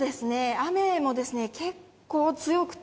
雨も結構強くて、